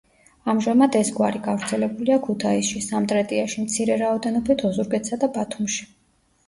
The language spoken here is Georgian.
ამჟამად ეს გვარი გავრცელებულია ქუთაისში, სამტრედიაში, მცირე რაოდენობით ოზურგეთსა და ბათუმში.